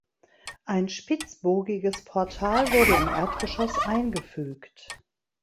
Ein spitzbogiges Portal wurde im Erdgeschoss eingefügt.